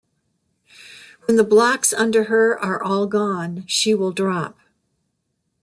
When the blocks under her are all gone, she will drop.